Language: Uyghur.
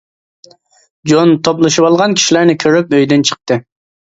جون توپلىشىۋالغان كىشىلەرنى كۆرۈپ ئۆيدىن چىقتى.